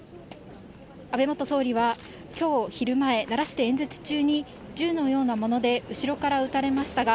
安倍元総理は、きょう昼前、奈良市で演説中に、銃のようなもので後ろから撃たれましたが、